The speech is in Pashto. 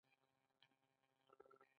نو د توکو کمښت د ګرانښت اصلي علت نه دی.